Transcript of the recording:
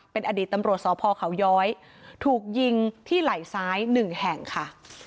เป็นอดีตตำรวจสพเขาย้อยถูกยิงที่ไหล่ซ้ายหนึ่งแห่งค่ะ